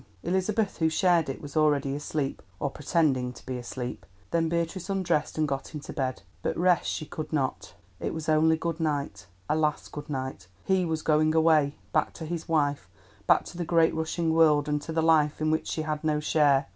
Elizabeth, who shared it, was already asleep, or pretending to be asleep. Then Beatrice undressed and got into bed, but rest she could not. It was "only good night," a last good night. He was going away—back to his wife, back to the great rushing world, and to the life in which she had no share.